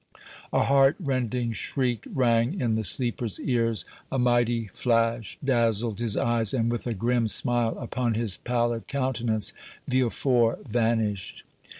A heart rending shriek rang in the sleeper's ears, a mighty flash dazzled his eyes, and, with a grim smile upon his pallid countenance, Villefort vanished.